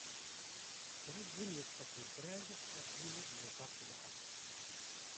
Kra n win iṭṭef ufrag ad s-yini buṣaɣ ɣef lḥeq.